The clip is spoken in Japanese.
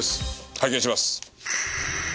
拝見します。